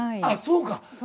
あっそうか。